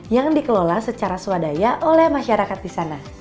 yang dikelola secara swadaya oleh masyarakat di sana